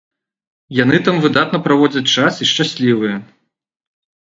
Яны там выдатна праводзяць час і шчаслівыя.